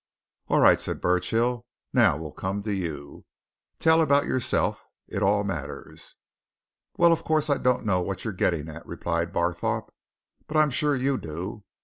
"All right," said Burchill. "Now, we'll come to you. Tell about yourself. It all matters." "Well, of course, I don't know what you're getting at," replied Barthorpe. "But I'm sure you do.